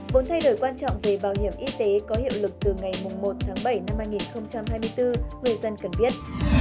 vốn thay đổi quan trọng về bảo hiểm y tế có hiệu lực từ ngày một tháng bảy năm hai nghìn hai mươi bốn người dân cần biết